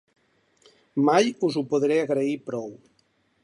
Mai us ho podré agrair prou.